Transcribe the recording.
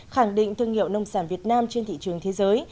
khẳng định thương hiệu nông sản việt nam trên thị trường thế giới